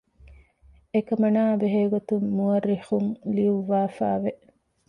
އެކަމަނާއާއި ބެހޭގޮތުން މުއައްރިޚުން ލިޔުއްވައިފައިވެ